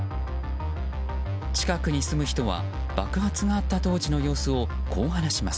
近くに住む人は、爆発があった当時の様子をこう話します。